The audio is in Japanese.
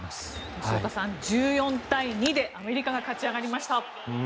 西岡さん、１４対２でアメリカが勝ち上がりました。